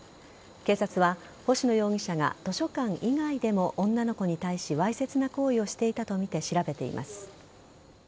警察は星野容疑者が図書館以外でも女の子に対しわいせつな行為をしていたとみて調べています。